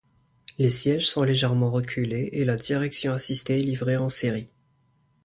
Les sièges sont légèrement reculés et la direction assistée est livrée en série.